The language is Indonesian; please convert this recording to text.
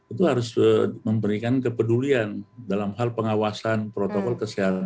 itu harus memberikan kepedulian dalam hal pengawasan protokol kesehatan